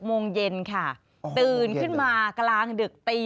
โอ้โห๖โมงเย็นเลยตื่นขึ้นมากลางดึกปี๒